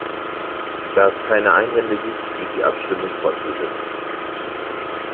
Da es keine Einwände gibt, wird die Abstimmung fortgesetzt.